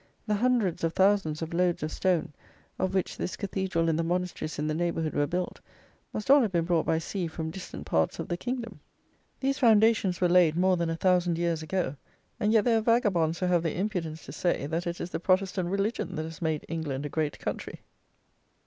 The hundreds of thousands of loads of stone, of which this cathedral and the monasteries in the neighbourhood were built, must all have been brought by sea from distant parts of the kingdom. These foundations were laid more than a thousand years ago; and yet there are vagabonds who have the impudence to say that it is the Protestant religion that has made England a great country.